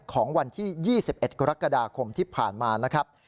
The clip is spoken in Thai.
ของวันที่๒๑กรกฎาคมที่ผ่านมานะครับ